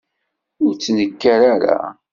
Ur ttnekkar ara.